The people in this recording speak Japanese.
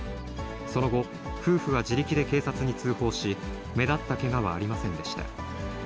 その後、夫婦は自力で警察に通報し、目立ったけがはありませんでした。